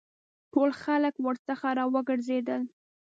ټول خلک ورڅخه را وګرځېدل.